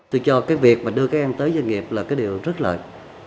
tôi cho việc đưa các em tới doanh nghiệp là điều rất lợi